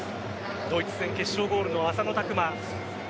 ドイツ戦決勝ゴールの浅野拓磨。